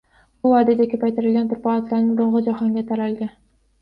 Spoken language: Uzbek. Bu vodiyda ko‘paytirilgan tulpor otlarning dong‘i jahonga taralgan.